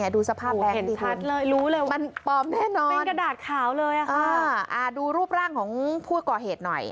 ดูสภาพแปลงดีถึงมันปลอมแน่นอนอ่าดูรูปร่างของผู้ก่อเหตุหน่อย